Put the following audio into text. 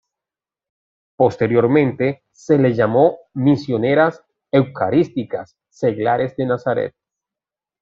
Posteriormente se le llamó Misioneras Eucarísticas Seglares de Nazaret.